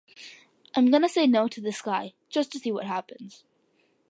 I'm gonna say no to this guy just to see what happens.